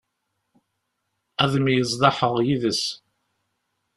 Ad myeẓḍaḥeɣ yid-s.